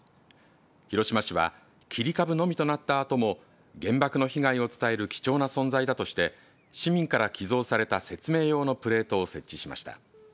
広島市は切り株のみとなったあとも原爆の被害を伝える貴重な存在だとして市民から寄贈された説明用のプレートを設置しました。